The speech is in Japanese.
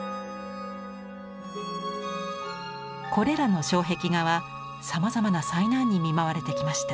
これらの障壁画はさまざまな災難に見舞われてきました。